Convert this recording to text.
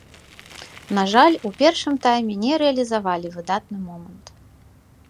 На жаль, у першым тайме не рэалізавалі выдатны момант.